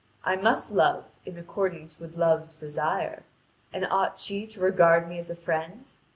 I must love in accordance with Love's desire. And ought she to regard me as a friend?